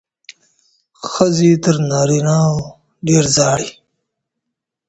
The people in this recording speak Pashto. ښځې تر نارینه وو ډېرې ژاړي.